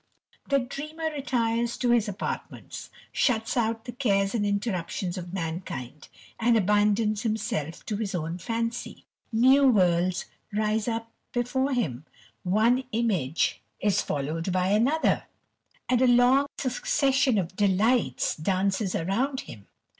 The dreamer retires to his apartments, shuts out the cares and interruptions of mankind, and abandons himself to his own fancy; new worlds rise up before him, one image is followed by another, and a long succession of delights dances round him.